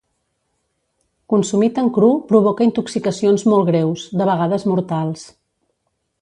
Consumit en cru provoca intoxicacions molt greus, de vegades mortals.